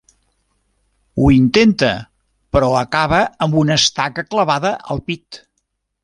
Ho intenta, però acaba amb una estaca clavada al pit.